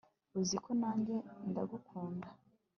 Uzi ko nanjye ndagukunda